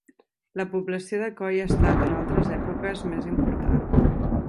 La població de Coll ha estat, en altres èpoques, més important.